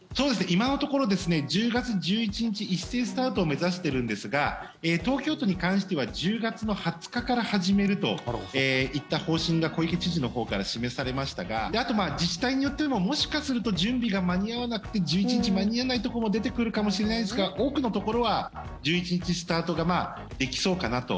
今のところ１０月１１日一斉スタートを目指しているんですが東京都に関しては１０月の２０日から始めるといった方針が小池知事のほうから示されましたがあと、自治体によってももしかすると準備が間に合わなくて１１日間に合わないところも出てくるかもしれないんですが多くのところは１１日スタートができそうかなと。